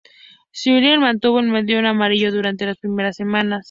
Zülle mantuvo el maillot amarillo durante la primera semana.